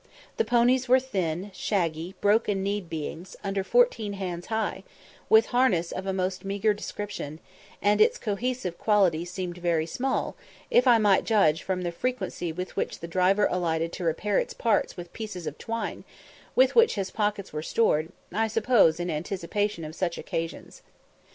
The ponies were thin, shaggy, broken kneed beings, under fourteen hands high, with harness of a most meagre description, and its cohesive qualities seemed very small, if I might judge from the frequency with which the driver alighted to repair its parts with pieces of twine, with which his pockets were stored, I suppose in anticipation of such occasions.